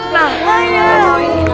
nah yang mau mau ini